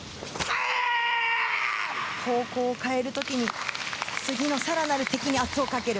方向を変える時に次の更なる敵に圧をかける。